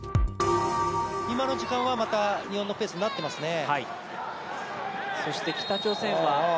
今の時間は日本のペースになってますね。